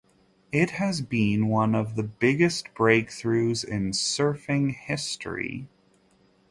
It has been one of the biggest breakthroughs in surfing history.